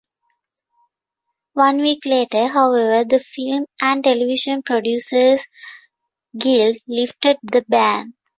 One week later, however, the Film and Television Producers Guild lifted the ban.